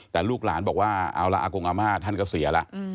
แต่ลูกหลานบอกว่าเอาละอากงอาม่าท่านก็เสียแล้ว